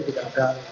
tidak ada surat